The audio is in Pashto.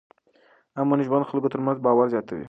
امن ژوند د خلکو ترمنځ باور زیاتوي.